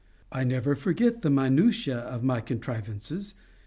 I never forget the minutiae in my contrivances.